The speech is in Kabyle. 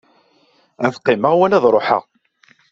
Ad qqimeɣ wala ad ruḥeɣ.